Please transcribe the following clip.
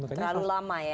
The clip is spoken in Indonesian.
terlalu lama ya